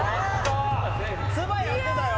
唾やってたよ！